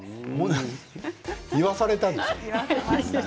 言わされたんでしょう？